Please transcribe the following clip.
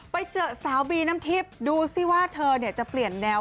ไปเจอสาวบีน้ำทิพย์ดูสิว่าเธอจะเปลี่ยนแนว